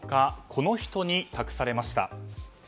この人に託されました。